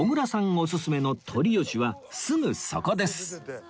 オススメのとりよしはすぐそこです